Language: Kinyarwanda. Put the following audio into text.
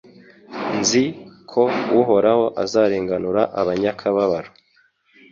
Nzi ko Uhoraho azarenganura abanyakababaro